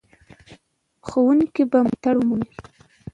ښوونکي به ملاتړ ومومي.